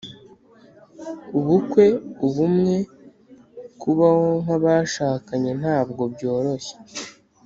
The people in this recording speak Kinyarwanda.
ubukwe, ubumwe: kubaho nk'abashakanye ntabwo byoroshye